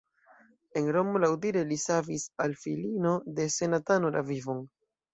En Romo laŭdire li savis al filino de senatano la vivon.